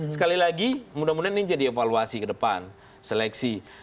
sekali lagi mudah mudahan ini jadi evaluasi ke depan seleksi